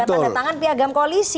yang sudah pada tangan piagam koalisi